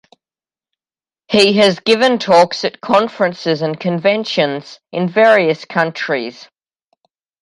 He has given talks at conferences and conventions in various countries.